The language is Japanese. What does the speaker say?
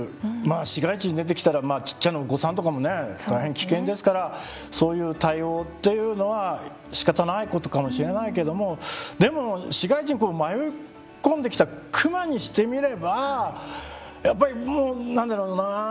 市街地に出てきたらちっちゃなお子さんとかもね大変危険ですからそういう対応っていうのはしかたないことかもしれないけどもでも市街地に迷い込んできたクマにしてみればやっぱりもう何だろうな。